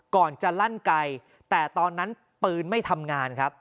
ก่อนจะลั่นไกลแต่ตอนนั้นปืนไม่ทำงานครับ